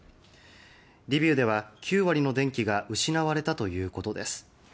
リビウでは９割の電気が失われたということです。